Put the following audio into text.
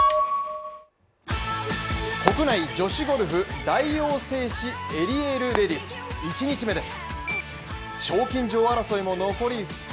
国内女子ゴルフ大王製紙エリエールレディス１日目です。